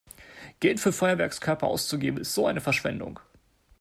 Geld für Feuerwerkskörper auszugeben ist so eine Verschwendung!